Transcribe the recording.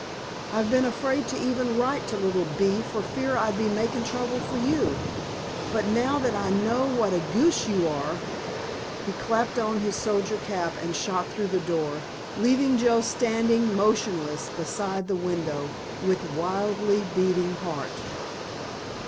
I've been afraid to even write to little Bee for fear I'd be making trouble for you, but now that I know what a goose you are——" He clapped on his soldier cap and shot through the door, leaving Joe standing motionless beside the window with wildly beating heart.